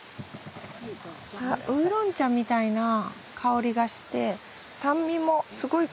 ウーロン茶みたいな香りがして酸味もすごい感じる。